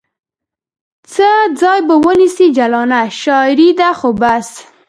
څه ځای به ونیسي جلانه ؟ شاعرې ده خو بس